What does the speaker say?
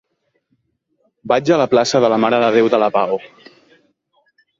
Vaig a la plaça de la Mare de Déu de la Pau.